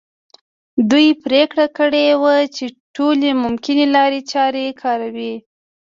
دوی پرېکړه کړې وه چې ټولې ممکنه لارې چارې کاروي.